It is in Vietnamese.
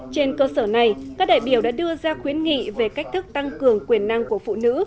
trên cơ sở này các đại biểu đã đưa ra khuyến nghị về cách thức tăng cường quyền năng của phụ nữ